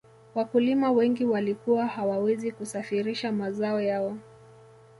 wakulima wengi walikuwa hawawezi kusafirisha mazao yao